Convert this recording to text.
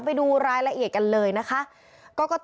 ไปดูรายละเอียดกันเลยนะคะ